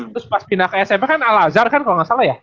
terus pas pindah ke sma kan al azhar kan kalau nggak salah ya